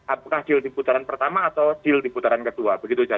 apakah deal di putaran pertama atau deal di putaran kedua begitu saja